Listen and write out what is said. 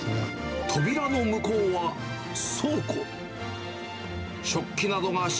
扉の向こうは、倉庫。